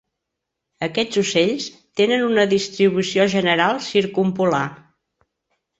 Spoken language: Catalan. Aquests ocells tenen una distribució general circumpolar.